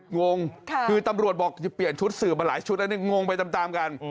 งงคือตำรวจบอกจะเปลี่ยนชุดสื่อมาหลายชุดแล้วเนี่ยงงไปตามกัน